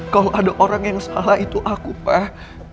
kalau ada orang yang salah itu aku pak